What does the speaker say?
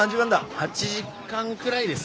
８時間くらいです。